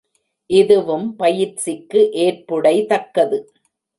இதுவும் பயிற்சிக்கு ஏற்புடைதக்கது.